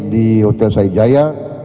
di hotel said jaya